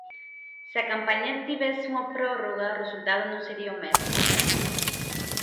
Se a campaña tivese unha prórroga o resultado non sería o mesmo.